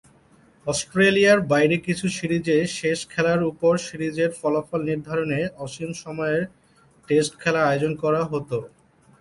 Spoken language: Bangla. অস্ট্রেলিয়ার বাইরে কিছু সিরিজে শেষ খেলার উপর সিরিজের ফলাফল নির্ধারণে অসীম সময়ের টেস্ট খেলা আয়োজন করা হতো।